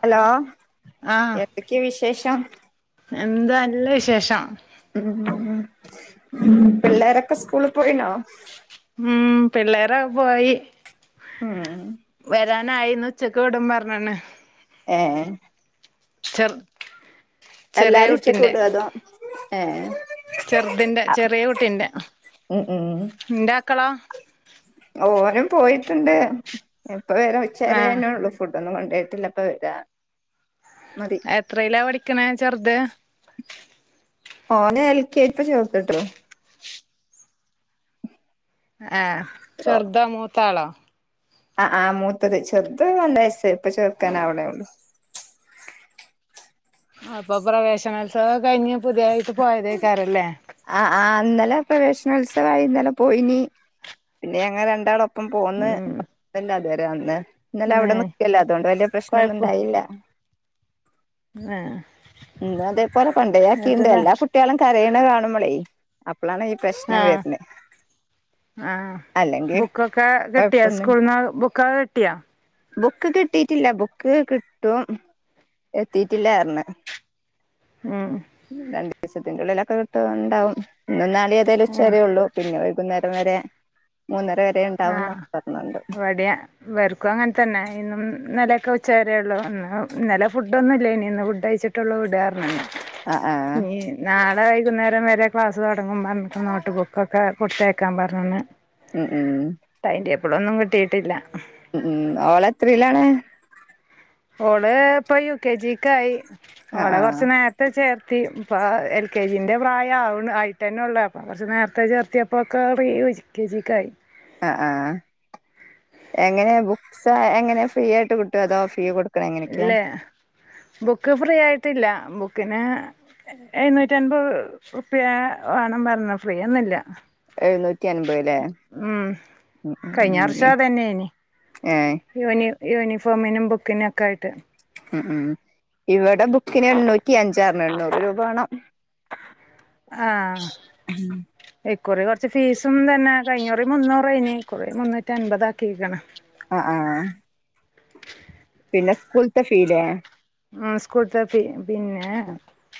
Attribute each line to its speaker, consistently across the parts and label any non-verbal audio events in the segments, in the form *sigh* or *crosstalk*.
Speaker 1: Hello
Speaker 2: ആഹ്
Speaker 1: എന്തൊക്കെ വിശേഷം?
Speaker 2: എന്താ നല്ല വിശേഷം
Speaker 1: ഉം ഉം ഉം പിള്ളേരൊക്കെ സ്കൂളിൽ പോയിണോ?
Speaker 2: ഉം പിള്ളേരൊക്കെ പോയി
Speaker 1: ഉം
Speaker 2: വരാനായിന്ന് ഉച്ചക്ക് വിടുംന്ന് പറഞ്ണ്
Speaker 1: ഏഹ്
Speaker 2: ചേർ
Speaker 1: എല്ലാരിം ഉച്ചക്ക് വിടോ? അതോ ഏഹ്
Speaker 2: ചെർതിന്റെ ചെറിയ കുട്ടിന്റെ ഇന്റെ മക്കളോ?
Speaker 1: ഓരും പോയിട്ട്ണ്ട് ഇപ്പം വേരും ഉച്ച
Speaker 2: ആഹ്
Speaker 1: വരെന്നെ ഒള്ളു സ് ഫുഡോന്നും കൊണ്ടോയിട്ടില്ല ഇപ്പ വരാ മതി
Speaker 2: എത്രിലാ പഠിക്ക്ണ ചെർത്?
Speaker 1: ഓനെ എൽ കെ ജി ഇപ്പ ചേർത്തിട്ടോ
Speaker 2: ആഹ് ചെർതോ മൂത്താളോ?
Speaker 1: ആഹ് ആഹ് മൂത്തത് ചെർത് *unintelligible* ഇപ്പ ചെർക്കാൻ ആവ്ണെ ഒള്ളൂ
Speaker 2: അപ്പൊ പ്രവേശനോത്സവം കഴിഞ്ഞ് പുതിയതായിട്ട് പോയതേക്കാരല്ലേ?
Speaker 1: ആഹ് ആഹ് ഇന്നലെ പ്രവേശനോത്സവായി ഇന്നലെ പോയിനി പിന്നെ ഞങ്ങള് രണ്ടാളും ഒപ്പം പോന്ന്
Speaker 2: ഉം
Speaker 1: *unintelligible* അത് വരെ വന്ന് ഇന്നലെ അവിടെ
Speaker 2: ഏഹ്
Speaker 1: നിക്കല്ലോ അതുകൊണ്ട് വേല്ല്യേ പ്രശ്നം ഒന്നും
Speaker 2: കൊഴപ്പം
Speaker 1: ഉണ്ടായില്ല
Speaker 2: ഏഹ്
Speaker 1: ഇന്നും അതേപോലെ കോണ്ടോയാക്കിണ്ട്
Speaker 2: എന്നിട്ടെന്താ
Speaker 1: എല്ലാ കുട്ടി ട്ട്യാളും കരയ്ണ കാണുമ്പളേ അപ്പളാണ് ഈ പ്രശ്നം
Speaker 2: ആഹ്
Speaker 1: വേര്നെ
Speaker 2: ആഹ് ബുക്കൊക്കെ കിട്ടിയാ
Speaker 1: കൊഴപ്പൊന്നുല്ല
Speaker 2: സ്കൂൾന്ന് ബുക്കൊക്കെ കിട്ട്യാ?
Speaker 1: ബുക്ക് കിട്ടിട്ടില്ല ബുക്ക് കിട്ടും എത്തിട്ടില്ലാ പർഞ്
Speaker 2: ഉം
Speaker 1: രണ്ടിസത്തിന്റെ ഉള്ളിലൊക്കെ കിട്ടുണ്ടാവും ഇന്നും നാളീം ഏതായാലും ഉച്ച
Speaker 2: ഉം
Speaker 1: വരെ ഒള്ളൂ പിന്നെ വൈകുന്നേരം വരെ മൂന്നര വരെ ഇണ്ടാവും ന്നൊക്കെ പർഞ്ണ്ട്
Speaker 2: *unintelligible* വെർക്കും അങ്ങനെ തന്നെ ഇന്നും ഇന്നലോക്കെ ഉച്ച വേരേ ഒള്ളൂ ഇന്നും ഇന്നലെ ഫുഡോന്നും ഇല്ലേനി ഇന്ന് ഫുഡ് കയിച്ചിട്ട് ടോള്ളു വിടാ പർഞ്ണ്
Speaker 1: ആ ആ
Speaker 2: ഇഞ് നാളെ വൈകുന്നേരം വരെ ക്ലാസ് തുടങ്ങും പർഞ്ഞിട്ട് നോട്ട് ബുക്കൊക്കെ കൊടുത്തേക്കാൻ പർഞ്ണ്
Speaker 1: ഉം ഉം
Speaker 2: ടൈറ്റെബിളോന്നും കിട്ടിട്ടില്ല
Speaker 1: ഉം ഉം ഓള് എത്രലാണ്?
Speaker 2: ഓള് ഇപ്പൊ യു കെ ജിക്ക് ആയി
Speaker 1: ആ
Speaker 2: ഓളെ
Speaker 1: ആ
Speaker 2: കുറച്ച് നേ ത്തെ ചേർത്തി ഇപ്പ എൽ കെ ജീൻ്റെ പ്രായം ആവ്ണ് ആയിട്ട്ന്നെള്ളു അപ്പ കുറച്ച് നേർത്തെ ചേർത്തി ക്കാടി എൽ കെ ജിക്കായി
Speaker 1: ആഹ് ആഹ് എങ്ങനെ ബുക്സ് എങ്ങനെ ഫ്രീ ആയിട്ട് കിട്ടോ അതോ ഫ്രീ ആയിട്ട് കിട്ടോ
Speaker 2: ഇല്ലേ ബുക്ക് ഫ്രീ ആയിട്ടില്ല ബുക്കിന് എഴുന്നൂറ്റി അൻപത് ഉർപ്യ വേണം പറഞ്ഞു ഫ്രീയൊന്നില്ല
Speaker 1: എഴുന്നൂറ്റി അൻപത് ലേ
Speaker 2: കഴിഞ്ഞ വർഷം അതന്നെനി
Speaker 1: ഏഹ്
Speaker 2: യൂണി യൂണിഫോമിനും ബുക്കിനും ഒക്കെ ആയിട്ട്
Speaker 1: ഉം ഉം ഇവിടെ ബുക്കിന് എണ്ണൂറ്റി അഞ്ചാറിന് എണ്ണൂറ് രൂപ വേണം *unintelligible*
Speaker 2: ആഹ ഇക്കുറി കൊറച്ച് ഫീസും തന്നെ അഞ്ഞൂറി മൂന്നൂറ് ഏനി കുറേ മുന്നൂറ്റി അൻമ്പതാക്കിക്ക്ണ്
Speaker 1: ആഹ് ആഹ് പിന്നെ സ്കൂളത്തെ ഫീലെ
Speaker 2: ആഹ് സ്കൂട്ൾത്തെ പിന്നെ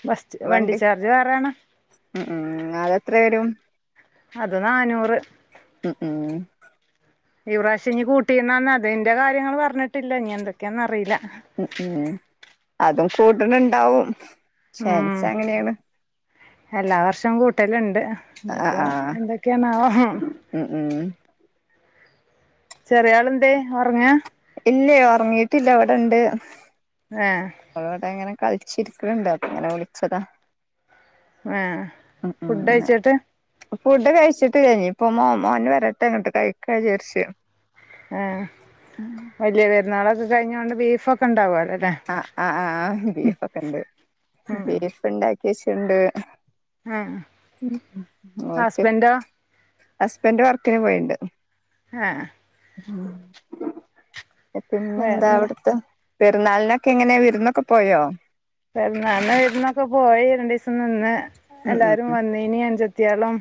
Speaker 2: ബസ് വണ്ടി ചാർജ് വേറാണ്
Speaker 1: ഉം ഉം അതെത്ര വരും
Speaker 2: അത് നാന്നൂറ്
Speaker 1: ഉം
Speaker 2: ഈ പ്രവശ്യംനി കൂട്ടിണാന്ന് അതിന്റെ കാര്യങ്ങള് പറഞ്ഞിട്ടില്ല ഇനി എന്തൊക്കെന്ന് അറിയില്ല
Speaker 1: ഉം ഉം അതും കൂട്ണുണ്ടാവും ചാൻസ് അങ്ങനെയാണ്
Speaker 2: എല്ലാവർഷവും കൂട്ടലുണ്ട്
Speaker 1: ആഹ്
Speaker 2: ഇനിയിപ്പോ
Speaker 1: ആഹ്
Speaker 2: എന്തൊക്കെയാണാവോ
Speaker 1: ഉം ഉം
Speaker 2: ചെറിയാള് എന്തെ ഒറങ്ങാ
Speaker 1: ഇല്ല ഉറങ്ങീട്ടില്ല ഇവിടെണ്ട്
Speaker 2: ആഹ
Speaker 1: ഓൾ അവിടെ അങ്ങനെ കളിച്ചിരിക്ക്ണ്ട് അത് ഇങ്ങനെ വിളിച്ചതാ
Speaker 2: ഏഹ്
Speaker 1: ഉം
Speaker 2: ഫുഡ്
Speaker 1: ഉം
Speaker 2: കഴിച്ചിട്ട്
Speaker 1: ഫുഡ് കഴിച്ചിട്ടില്ലെനി ഇപ്പൊ മോ മോന് വരട്ടെ ഇങ്ങട്ട് കഴിക്കാ വിചാരിച്ച്
Speaker 2: ആ വലിയ പെരുന്നാളൊക്കെ കഴിഞ്ഞത് കൊണ്ട് ബീഫൊക്കെ ഇണ്ടാവുമല്ലോല്ലേ
Speaker 1: ആഹ് ആഹ് ആഹ് ബീഫൊക്ക ഇണ്ട്
Speaker 2: ഉം
Speaker 1: ബീഫ് ഇണ്ടാക്കി വെച്ച്ണ്ട്
Speaker 2: ആഹ്
Speaker 1: ഓല്ക്ക്
Speaker 2: ഹസ്ബൻഡോ
Speaker 1: ഹസ്ബൻഡ് വർക്കിന് പോയിണ്ട്
Speaker 2: ആഹ
Speaker 1: പിന്നെ എന്താ
Speaker 2: വേറെന്താ
Speaker 1: അവിടത്തെ പെരുന്നാളിന് ഒക്കെ എങ്ങനെ വിരുന്നൊക്കെ പോയോ
Speaker 2: പെര്ന്നാളിന് വിരുന്നൊക്കെ പോയി രണ്ടു ദിവസം നിന്ന്
Speaker 1: ഉം ഉം
Speaker 2: എല്ലാരും
Speaker 1: ഉം
Speaker 2: വന്നീനി അൻജത്തിയാളും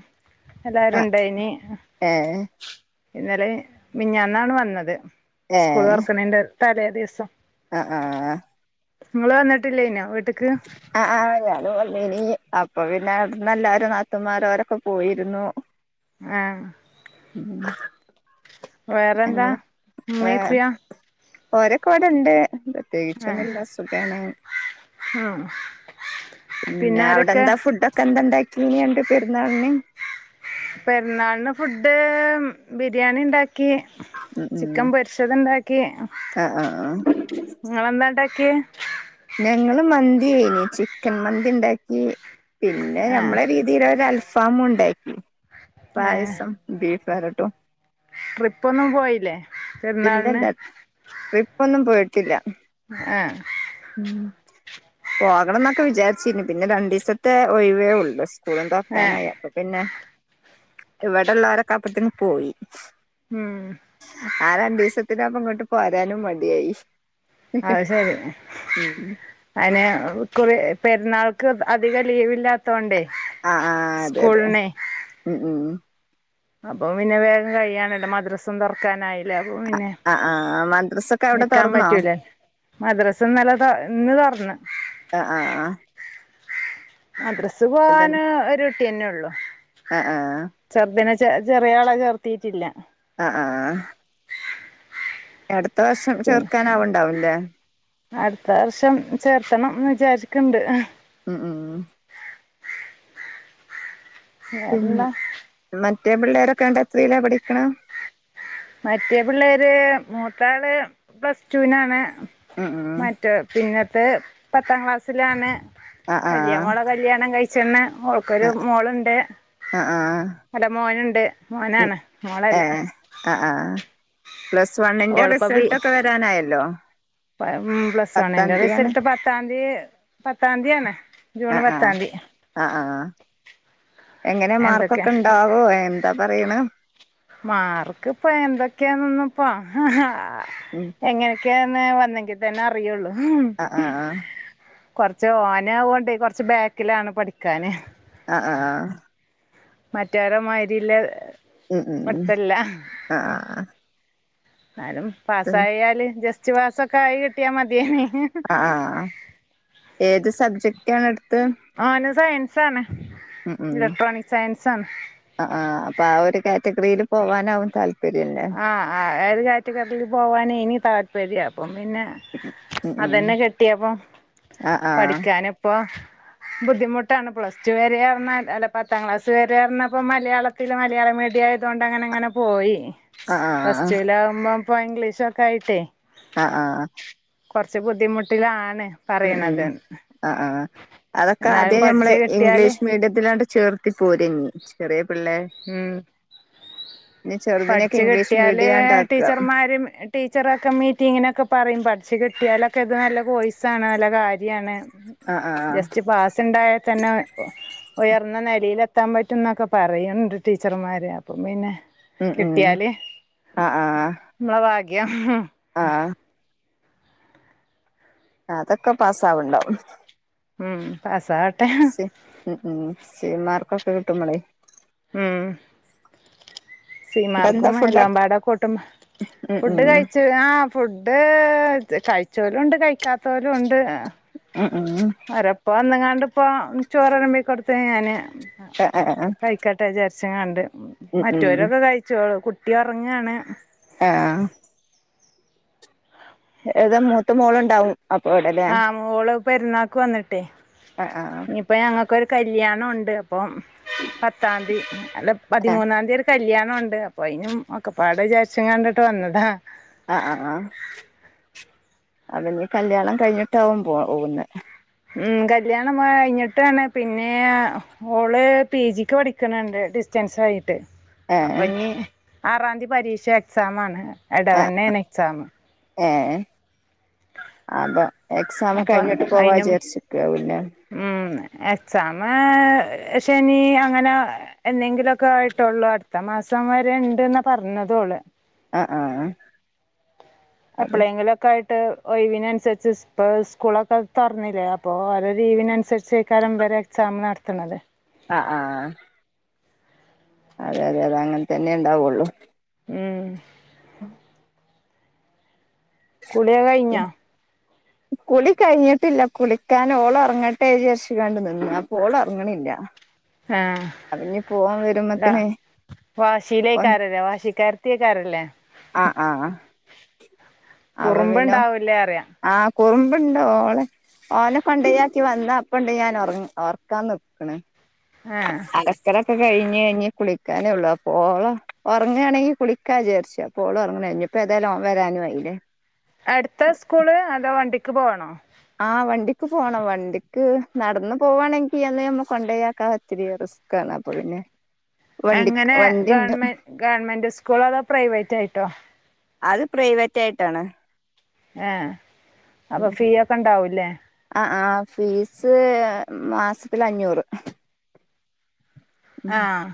Speaker 1: ആ
Speaker 2: എല്ലാരും ഇണ്ടയിനി
Speaker 1: ഏ
Speaker 2: ഇന്നലെ മിഞ്ഞാന്നാണ് വന്നത് സ്കൂള് തുറക്ക്ണേന്റെ തലേ ദിവസം
Speaker 1: ആഹ് ആഹ്
Speaker 2: നിങ്ങള് വന്നിട്ടില്ലേനൊ വീട്ട്ക്ക്
Speaker 1: ആഹ് ആഹ് ഞാൻ വന്നീനി അപ്പൊ പിന്നെ അവിടെന്ന് എല്ലാരും നാത്തുമാര് ഓരൊക്കെ പോയിരുന്നു *inaudible*
Speaker 2: ആഹ
Speaker 1: ഉം
Speaker 2: വേറെന്താ ഇമ്മേം ഇപ്പിയോ
Speaker 1: ഓരോക്കെവ്ടെണ്ട് പ്രത്യേകിച്ചൊന്നും
Speaker 2: ആഹ്
Speaker 1: ഇല്ല സുഖാണ്
Speaker 2: ആഹ്
Speaker 1: പിന്നെ അവിടെ എന്താ ഫുഡ് ഒക്കെ എന്താണ്ടാക്കി *unintelligible* പെരുന്നാളിന്
Speaker 2: പെരുന്നാളിന് ഫുഡ് ബിരിയാണി ഇണ്ടാക്കി.
Speaker 1: ഉം ഉം
Speaker 2: ചിക്കൻ പൊരിച്ചത് ഇണ്ടാക്കി
Speaker 1: ആ ആ ആ
Speaker 2: നിങ്ങളെന്താണ്ടാക്കി.
Speaker 1: ഞങ്ങള് മന്തിയെനി ചിക്കൻ മന്തി ഇണ്ടാക്കി പിന്നെ
Speaker 2: ആഹ്
Speaker 1: നമ്മളെ രീ തീര ഒരു അൽഫാമും ഇണ്ടാക്കി പായസം ബീഫ് വരട്ടും
Speaker 2: ട്രിപ്പ് ഒന്നും പോയില്ലേ. പെരുന്നാളിന്
Speaker 1: ഇല്ലല്ല ട്രിപ്പ് ഒന്നും പോയിട്ടില്ല.
Speaker 2: ആഹ്
Speaker 1: ഉം പോകണം എന്നൊക്കെ വിചാരിച്ചിന് പിന്നെ രണ്ടീസത്തെ ഒഴിവേ ഉള്ളൂ. സ്കൂളും
Speaker 2: ആഹ്
Speaker 1: തൊർക്കാനായി അപ്പൊ പിന്നെ ഇവിടെള്ളരൊക്കെ അപ്പത്തിന് പോയി
Speaker 2: ഉം
Speaker 1: ആ രണ്ടു ദിവസത്തിന് അപ്പ ഇങ്ങട്ട് പോരാനും മടിയായി.
Speaker 2: അഹ്ശരി
Speaker 1: ഉം
Speaker 2: അയ്നെ കുറ പെരുന്നാൾക്ക് അധികം ലീവില്ലാത്ത തോണ്ടേ
Speaker 1: ആഹ് ആഹ് അതെ അതെ ഉം ഉം
Speaker 2: അപ്പൊ പിന്നെ വേഗം കഴിയണല്ലോ മദ്രസം തൊറക്കാനായി.
Speaker 1: ആഹ് ആഹ് ആഹ് മദ്രസോക്കെ
Speaker 2: നിക്കാൻ പറ്റൂലേ മദ്രസ ഇന്നലെ ഇന്ന് തോറന്ന്.
Speaker 1: ആഹ് ആഹ് ആഹ്
Speaker 2: മദ്രസ്സ് പോകാന് ഒരു കുട്ടിന്നെ ഉള്ളു
Speaker 1: ആഹ് ആഹ്
Speaker 2: ചെർദിനെ ചെറിയ ആള ചേർത്തിട്ടില്ല.
Speaker 1: ആഹ് ആഹ് ആഹ് അടുത്ത വർഷം
Speaker 2: പി
Speaker 1: ചേർക്കാൻ ആവണ്ടാവൂല്ലേ.
Speaker 2: അടുത്ത വർഷം ചേർത്തണംന്ന് വിചാരിക്കണ്ട്.
Speaker 1: ഉം ഉം ഉം
Speaker 2: വേറെന്താ
Speaker 1: മറ്റേ പിള്ളേരൊക്കെ എന്താ എത്രീലാ പഠിക്ക്ണ
Speaker 2: മറ്റേ പിള്ളേര് മൂത്താള് പ്ലസ് ടൂനാണ്
Speaker 1: ഉം ഉം
Speaker 2: മറ്റേ പിന്നത്ത് പത്താം ക്ലാസ്സിലാണ്
Speaker 1: ആ ആ
Speaker 2: വല്യ മോളെ കല്യാണം കഴിച്ച്ന്ന്
Speaker 1: ആ
Speaker 2: മോൾക്കൊരു മോള്ണ്ട്
Speaker 1: ആഹ് ആഹ്
Speaker 2: അല്ല മോന്ണ്ട് മോനാണ് മോളല്ല
Speaker 1: ഏഹ് ആഹ് ആഹ് പ്ലസ് വണ്ണിന്റെ
Speaker 2: ഓളിപ്പോ പി
Speaker 1: റിസൾട്ടൊക്കെ വരാനായല്ലോ
Speaker 2: പ്ലസ്
Speaker 1: പത്താം
Speaker 2: വണിന്റെ
Speaker 1: തീയതിയാണ്
Speaker 2: റിസൾട്ട് പത്താന്തി പത്താന്തിയാണ് ജൂൺ
Speaker 1: ആഹ് ആഹ്
Speaker 2: പത്താന്തി
Speaker 1: ആഹ് ആഹ് എങ്ങനെ
Speaker 2: എന്തൊക്കെ
Speaker 1: മാർക്കൊക്കെ ഉണ്ടാവോ എന്താ പറയ്ണേ
Speaker 2: മാർക്ക് ഇപ്പ എന്തൊക്കെയാന്നൊന്നു ഇപ്പ
Speaker 1: ഉം
Speaker 2: എങ്ങനെയൊക്കെയന്ന് വന്നെങ്കി തന്നെ അറിയുള്ളൂ
Speaker 1: ആഹ് ആഹ്
Speaker 2: കൊറച്ച് ഓനാവോണ്ട് കൊറച്ച് ബാക്കിലാണ് പഠിക്കാന്
Speaker 1: ആഹ് ആഹ് ആഹ്
Speaker 2: മറ്റൊരേ മായിരില്ല
Speaker 1: ഉം ഉം ഉം
Speaker 2: പടിത്തല്ല
Speaker 1: ആഹ്
Speaker 2: ഇന്നാലും
Speaker 1: ആഹ്
Speaker 2: പാസായാല് ജസ്റ്റ് പാസ്സൊക്കായി കിട്ടിയാ മതിയേനി
Speaker 1: ആഹ് ആഹ് ഏത് സബ്ജക്ടാണ് എടുത്തത്
Speaker 2: ഓന് സയൻസാണ് ഇലക്ട്രോണിക് സയൻസാണ്
Speaker 1: ആ ആ അപ്പ ആ ഒരു കാറ്റഗറിയിൽ പോവാനാകും താല്പര്യല്ലേ
Speaker 2: ആഹ് ആഹ് ആ ഒരു കാറ്റഗറിൽ പോവാനേനി താല്പര്യം അപ്പം പിന്നെ
Speaker 1: ഉം ഉം
Speaker 2: അതെന്നെ കിട്ടിയപ്പം
Speaker 1: ആഹ് ആഹ്
Speaker 2: പഠിക്കാന് ഇപ്പൊ ബുദ്ധിമുട്ടാണ് പ്ലസ് ടു വരെ പറഞ്ഞ അല്ല പത്താം ക്ലാസ് വരെ പറഞ്ഞ ഇപ്പൊ മലയാള ത്തില് മലയാളം മീഡിയം ആയതുകൊണ്ട് അങ്ങനെ അങ്ങനെ പോയി
Speaker 1: ആഹ്
Speaker 2: പസ്
Speaker 1: ആഹ്
Speaker 2: ടൂലാവുമ്പോ ഇപ്പം ഇംഗ്ലീഷ് ഒക്കെ ആയിട്ടേയ്
Speaker 1: ആഹ് ആഹ്
Speaker 2: കൊറച്ച് ബുദ്ധിമുട്ടിലാണ്
Speaker 1: ഉം ഉം
Speaker 2: പറയണത്
Speaker 1: അ ആഹ് അതൊക്കെ
Speaker 2: എന്നാലും
Speaker 1: ആദ്യം നമ്മള്
Speaker 2: പഠിച്ച് കിട്ടിയാല്
Speaker 1: ഇംഗ്ലീഷ് മീഡിയത്തിലണ്ട് ചേർത്തി പോര്ഞ്ഞി ചെറിയ പിള്ളേ
Speaker 2: ഉം
Speaker 1: ഇനി ചെറുതിനൊക്കെ
Speaker 2: പഠിച്ച്
Speaker 1: ഇംഗ്ലീഷ്
Speaker 2: കിട്ടിയാല് ഏഹ്
Speaker 1: മീഡിയാണ്ടാക്ക
Speaker 2: ടീച്ചർമാരും ടീച്ചറൊക്കെ മീറ്റിങ്ങിനൊക്കെ പറയും പഠിച്ച് കിട്ടിയാലൊക്കെ ഇത് നല്ല കോയ്സാണ് നല്ല കാര്യാണ്
Speaker 1: ആഹ് ആഹ്
Speaker 2: ജസ്റ്റ് പാസ്ണ്ടായാൽ തന്നെ ഇപ്പോ ഉയർന്ന നെലയിലെത്താൻ പറ്റുന്നൊക്കെ പറയൺണ്ട് ടീച്ചർമാര് അപ്പം പിന്നെ
Speaker 1: ഉം ഉം
Speaker 2: കിട്ടിയാല്
Speaker 1: ആഹ് ആഹ്
Speaker 2: നമ്മളെ ഭാഗ്യം
Speaker 1: ആഹ് അതൊക്കെ പാസാവ്ണ്ടാവും
Speaker 2: ഉം പാസാവ
Speaker 1: സി ഉം ഉം സി മാർക്കൊക്കെ കിട്ടുമ്പളെ
Speaker 2: ഉം സി
Speaker 1: ഇന്നെട്ടെന്താ
Speaker 2: മാർക്കും
Speaker 1: ഫുഡ്
Speaker 2: എല്ലാം പാടെ കൂട്ടുമ്പം
Speaker 1: ഉം
Speaker 2: ഫുഡ്
Speaker 1: ഉം
Speaker 2: കഴിച്ചു ആഹ് ഫുഡ് കഴിച്ചോലുണ്ട് കഴിക്കാ ത്തോലുണ്ട് ആഹ്
Speaker 1: ഉം ഉം
Speaker 2: ഓരോ ഇപ്പ വന്ന്ങ്ങാണ്ടിപ്പോ ചോറ് വളമ്പി കൊടുത്ത് ഞാന്
Speaker 1: ആഹ് ആഹ്
Speaker 2: കഴി ക്കട്ടെ വിചാരിച്ച്ങ്ങാണ്ട്
Speaker 1: ഉം ഉം ഉം
Speaker 2: കഴിച്ചോളും കുട്ടി ഒറങ്ങാണ്
Speaker 1: ആഹ് ഏതാ മൂത്ത മോളുണ്ടാവും അപ്പോ ഇവിടെ ല്ലേ
Speaker 2: ആ മോള് പെരുന്നാക്ക് വന്നിട്ടേ
Speaker 1: ആഹ് ആഹ്
Speaker 2: ഇപ്പൊ ഞങ്ങക്കൊരു കല്യാണം ഉണ്ട് അപ്പം പത്താന്തി അല്ല
Speaker 1: ഏഹ്
Speaker 2: പതിമൂന്നാന്തി ഒരു കല്യാണോണ്ട് അപ്പൊ അയ്നും ഒക്കെപ്പാട് വിചാരിച്ചുങ്ങാണ്ട്ട്ട് വന്നതാ
Speaker 1: ആഹ് ആഹ് ആഹ് അപ്പൊ ഇഞ്ഞി കല്യാണം കഴിഞ്ഞിട്ടാവും പോവുന്ന്
Speaker 2: ഉം കല്യാണം കഴിഞ്ഞിട്ടാണ് പിന്നെ ഓള് പി ജിക്ക് പഠിക്കണുണ്ട് ഡിസ്റ്റൻസ് ആയിട്ട്.
Speaker 1: ഏഹ്
Speaker 2: അപ്പഞ് ആറാംതി പരീക്ഷ എക്സാം ആണ്
Speaker 1: ഏഹ്
Speaker 2: എടവണ്ണേണ് എക്സാമ്
Speaker 1: ഏഹ് അപ്പൊ എക്സാം
Speaker 2: അപ്പോൾ
Speaker 1: കഴിഞ്ഞിട്ട് പോവാ
Speaker 2: അതിനും
Speaker 1: വിചാരിച്ചിക്കാവുലെ
Speaker 2: ഉം എക്സാമ് ശനി അങ്ങനെ എന്നെങ്കിലൊക്കെ ആയിട്ടുള്ളൂ അട്ത്ത മാസം വരെ ഇണ്ട്ന്നാ പറഞ്ഞതോള്
Speaker 1: ആഹ് ആഹ് അത്
Speaker 2: എപ്പളെങ്കിലൊക്കായി ട്ട് ഒഴിവിനനുസരിച്ച് സ്കൂളൊക്കെ തൊറന്നില്ലേ അപ്പോ ഓരെ ലീവിനനുസരിച്ചയ്ക്കാരം ഇവരെ. ശം നടത്തണത്
Speaker 1: ആ ആ ആ അതെ അതെ അതെ അങ്ങനെ തന്നെ ഉണ്ടാവുള്ളൂ
Speaker 2: ഉം കുളി കയ്ഞ്ഞൊ
Speaker 1: കുളി കഴിഞ്ഞിട്ടില്ല. കുളിക്കാൻ ഓള് ഒറങ്ങട്ടെച്ചിക്കാണ്ട് നിന്ന് അപ്പൊ ഓള് ഒറങ്ങണില്ല. ആഹ്
Speaker 2: ആഹ്
Speaker 1: വരുമ്പത്തിന് ഓൻ
Speaker 2: വാശീലക്കാരല്ലേ വാശിക്കാർ.. ത്തിക്കാരെല്ലേ.
Speaker 1: ആഹ് ആഹ് ആഹ് അപ്പ പിന്നെ
Speaker 2: കുറുമ്പുണ്ടാവൂലേ അറിയ
Speaker 1: ആഹ് കുറുമ്പ്ണ്ടോ ഓളെ. ഓനെ കൊണ്ടയാക്കി വന്ന അപ്പ ണ്ട് ഞാന് ഒർക്കാൻ നിക്ണ്.
Speaker 2: ആഹ്
Speaker 1: അലക്കലൊക്കെ കഴിഞ്ഞ് ഞ്ഞ് കുളിക്കാനേള്ളു അപ്പോള.. ഒറങ്ങാണെങ്കിൽ കുളിക്കാ ചാരിച്ചു. അപ്പൊലൊർങ്ങണില്ല ഞ്ഞപ്പൊ ഏാതായാലും ഓൻ വരാനായില്ലേ.
Speaker 2: അടുത്താ സ്കൂള് അതോ വണ്ടിക്ക് പോണോ?
Speaker 1: ആഹ് വണ്ടിക്ക് പോണം വണ്ടിക്ക് നടന്ന് പോവാണെങ്കിൽ അന്ന് നമ്മ കൊണ്ടയാക്കാം ഒത്തിരി റിസ്.. കാണാ പോരുന്ന
Speaker 2: എങ്ങനെ ഗവൺമെന്റ് ഗവൺമെന്റ് സ്കൂളോ അതോ പ്രൈവറ്റ് ആയിട്ടോ
Speaker 1: അത് പ്രൈവറ്റ് ആയിട്ടാണ്.
Speaker 2: ഏ അപ്പൊ ഫീ ഒക്കെ ഉണ്ടാവുംല്ലേ
Speaker 1: ആ ആ ഫീസ് മാസത്തില് അഞ്ഞൂറ്
Speaker 2: ആഹ്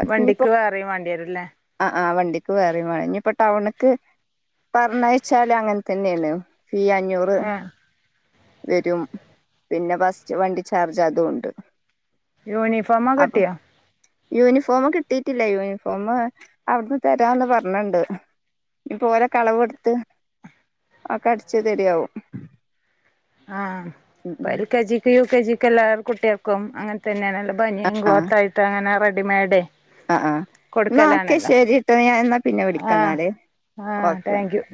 Speaker 1: അതിനിപ്പോ
Speaker 2: വണ്ടിക്ക് വേറെയും വേണ്ടി വരുംല്ലേ
Speaker 1: ആഹ് ആ വണ്ടിക്ക് വേറിം വേണം ഇനിപ്പൊ ടൗൺക്ക് പറഞ്ഞയ്ച്ചാല് അങ്ങനെ തന്നെയാണ് ഫീ അഞ്ഞൂറ്.
Speaker 2: ആഹ്
Speaker 1: വെരും. പിന്നെ ഫസ്റ്റ് വണ്ടി ചാർജ് അതും ഉണ്ട്.
Speaker 2: യൂണിഫോമ കിട്ടിയോ
Speaker 1: യൂണിഫോം കിട്ടീട്ടില്ല യൂണിഫോം അവിടുന്ന് തരാന്ന് പറഞ്ണ്ട് ഞ്പ്പോ ഓരക അളവ്ട്ത്ത് ഒക്കെ അടിച്ച് തെരാവും
Speaker 2: ആഹ് ഇപൊ എൽ കെ ജിക്ക് യു കെ ജിക്ക് എല്ലാവ കുട്ടിൾക്കും അങ്ങനെ തന്നെയാണല്ല ബനിയൻ
Speaker 1: ആഹ്
Speaker 2: ക്ലോത്ത് ആയിട്ട് അങ്ങനെ റെഡിമെയ്ഡേ.
Speaker 1: ആഹ് ആഹ് എന്നാ ഒക്കെ
Speaker 2: കൊടുക്കലാണല്ലോ
Speaker 1: ശരിട്ടോ ഞാൻ എന്നാ പിന്നെ
Speaker 2: ആഹ്
Speaker 1: വിളിക്കാന്നാല്
Speaker 2: ആഹ്
Speaker 1: ഓക്കെ
Speaker 2: താങ്ക് യു